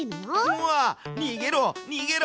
うわにげろにげろ！